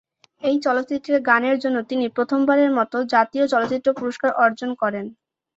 এই চলচ্চিত্রের গানের জন্য তিনি প্রথমবারের মত জাতীয় চলচ্চিত্র পুরস্কার অর্জন করেন।